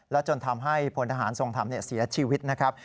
จนทำให้พลทหารทรงธรรมเสียชีวิตนะครับ